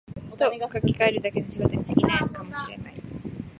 と書きかえるだけの仕事に過ぎないかも知れない